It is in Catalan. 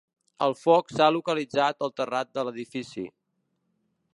El foc s’ha localitzat al terrat de l’edifici.